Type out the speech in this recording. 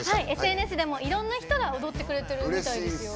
ＳＮＳでも、いろんな人が踊ってくれてるみたいですよ。